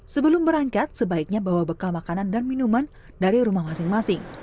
sebelum berangkat sebaiknya bawa bekal makanan dan minuman dari rumah masing masing